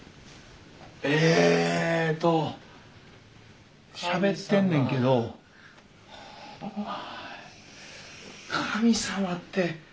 えっとしゃべってんねんけど神様って。